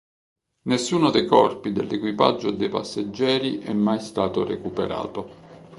Nessuno dei corpi dell'equipaggio o dei passeggeri è mai stato recuperato.